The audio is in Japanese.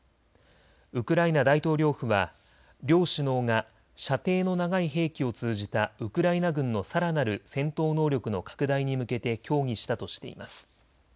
ウクライナ大統領府は両首脳が射程の長い兵器を通じたウクライナ軍のさらなる戦闘能力の拡大に向けて協議したとしています。